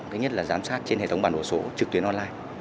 thứ nhất là giám sát trên hệ thống bản đồ số trực tuyến online